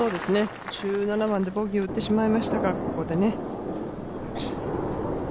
１７番でボギーを打ってしまいましたが、ここでね。